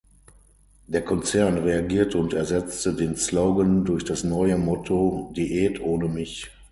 Der Konzern reagierte und ersetzte den Slogan durch das neue Motto „Diät ohne mich“.